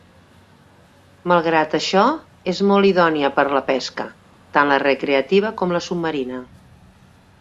Malgrat això és molt idònia per a la pesca, tant la recreativa com la submarina.